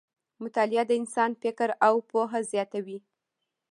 مطالعه د انسان فکر او پوهه زیاتوي.